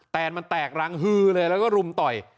แนนมันแตกรังฮือเลยแล้วก็รุมต่อย